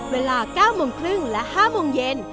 เวลา๙โมงครึ่งและ๕โมงเย็น